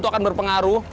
itu akan berpengaruh